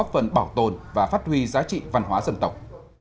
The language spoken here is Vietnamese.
về văn hóa dân tộc